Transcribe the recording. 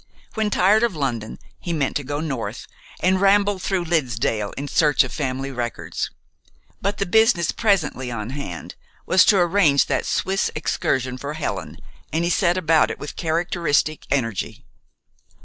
When tired of London, he meant to go north, and ramble through Liddesdale in search of family records. But the business presently on hand was to arrange that Swiss excursion for "Helen," and he set about it with characteristic energy.